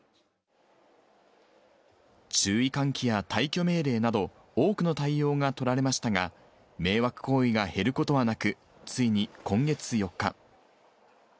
注意喚起や退去命令など、多くの対応が取られましたが、迷惑行為が減ることはなく、ついに今月４日。